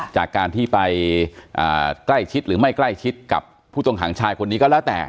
จากการที่ไปใกล้ชิดหรือไม่ใกล้ชิดกับผู้ต้องขังชายคนนี้ก็แล้วแต่